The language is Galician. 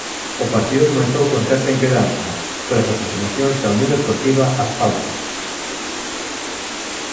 O partido comezou con certa inquedanza, polas aproximacións da Unión Deportiva As Palmas.